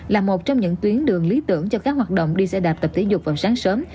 là một trong những tuyến đường lý tưởng cho các hoạt động đi xe đạp tập thể dục vào sáng sớm